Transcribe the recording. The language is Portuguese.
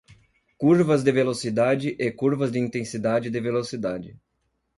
Curvas de velocidade e curvas de intensidade de velocidade.